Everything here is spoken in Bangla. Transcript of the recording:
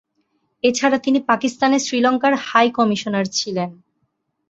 এছাড়া তিনি পাকিস্তানে শ্রীলঙ্কার হাই কমিশনার ছিলেন।